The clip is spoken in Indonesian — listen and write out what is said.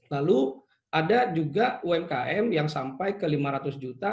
lalu ada juga umkm yang sampai ke lima ratus juta